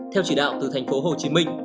theo chỉ đạo từ tp hcm